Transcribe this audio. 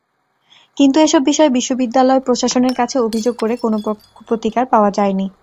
কিন্তু এসব বিষয়ে বিশ্ববিদ্যালয় প্রশাসনের কাছে অভিযোগ করে কোনো প্রতিকার পাওয়া যায়নি।